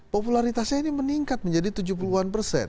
popularitasnya ini meningkat menjadi tujuh puluh an persen